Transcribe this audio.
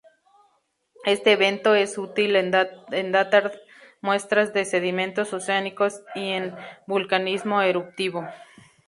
Este evento es útil en datar muestras de sedimentos oceánicos y en vulcanismo eruptivo.